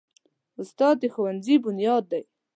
استاد د ښوونځي بنیاد دی.